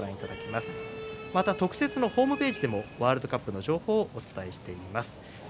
また特設のホームページでもワールドカップの情報をお伝えしています。